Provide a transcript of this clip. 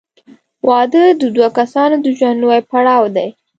• واده د دوه کسانو د ژوند نوی پړاو دی.